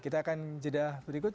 kita akan jeda berikut